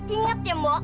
ingat ya mbok